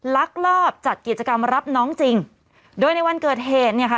ลักลอบจัดกิจกรรมรับน้องจริงโดยในวันเกิดเหตุเนี่ยค่ะ